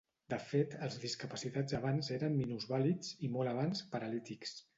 De fet, els discapacitats abans eren minusvàlids, i molt abans, paralítics.